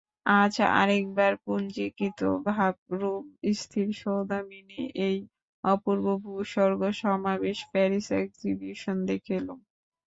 আজ আর একবার পুঞ্জীকৃতভাবরূপ স্থিরসৌদামিনী, এই অপূর্ব ভূস্বর্গ-সমাবেশ প্যারিস-এগজিবিশন দেখে এলুম।